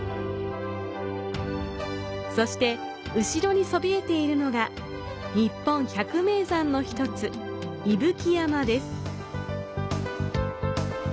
そして、後ろにそびえているのが、「日本百名山」の１つ、伊吹山です。